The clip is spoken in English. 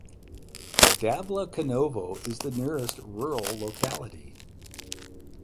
Davlekanovo is the nearest rural locality.